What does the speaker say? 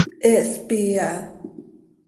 He hspii aha.